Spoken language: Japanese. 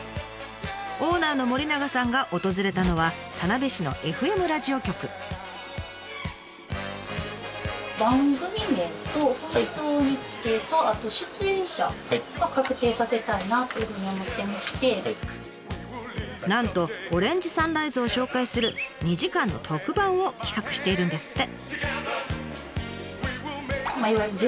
オーナーの森永さんが訪れたのは田辺市のなんとオレンジサンライズを紹介する２時間の特番を企画しているんですって。